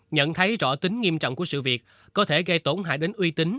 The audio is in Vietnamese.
nhận thấy rõ tính nghiêm trọng của sự việc có thể gây tổn hại đến uy tín